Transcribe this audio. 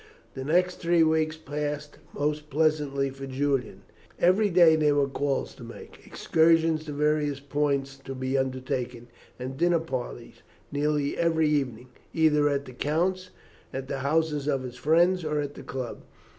The next three weeks passed most pleasantly for Julian. Every day there were calls to make, excursions to various points to be undertaken, and dinner parties nearly every evening, either at the count's, at the houses of his friends, or at the club.